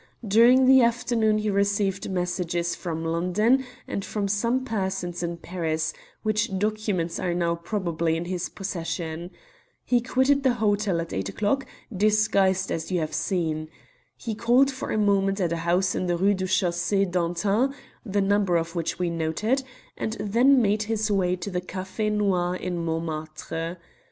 During the afternoon he received messages from London and from some persons in Paris, which documents are now probably in his possession. He quitted the hotel at eight o'clock, disguised as you have seen. He called for a moment at a house in the Rue du Chaussée d'Antin, the number of which we noted, and then made his way to the Café Noir in Montmartre.